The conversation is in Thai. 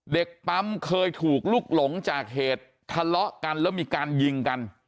เด็กปั๊มเคยถูกลุกหลงจากเหตุทะเลาะกันแล้วมีการยิงกัน